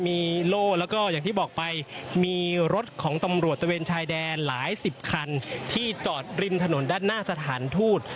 มีโล่แล้วก็อย่างที่บอกไปมีรถของตำรวจตะเวนชายแดนหลายสิบคันที่จอดริมถนนด้านหน้าสถานทูต